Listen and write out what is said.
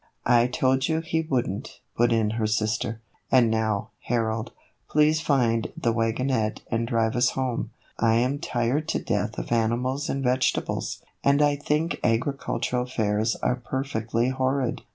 I told you he would n't," put in her sister. " And now, Harold, please find the wagonette and drive us home. I am tired to death of animals and vegetables, and I think agricultural fairs are per fectly horrid.